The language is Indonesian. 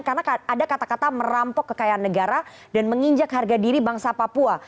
karena ada kata kata merampok kekayaan negara dan menginjak harga diri bangsa papua